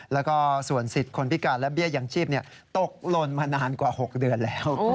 แล้วก็ส่วนสิทธิ์คนพิการและเบี้ยยังชีพตกลนมานานกว่า๖เดือนแล้ว